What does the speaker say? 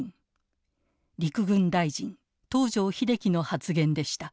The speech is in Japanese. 陸軍大臣東條英機の発言でした。